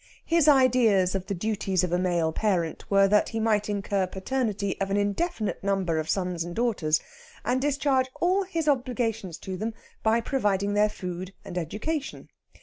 His ideas of the duties of a male parent were that he might incur paternity of an indefinite number of sons and daughters, and discharge all his obligations to them by providing their food and education.